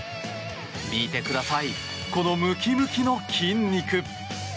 見てくださいこのムキムキの筋肉。